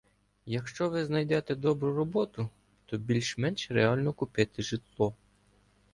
Якщо ви знайдете добру роботу, то більш-менш реально купити житло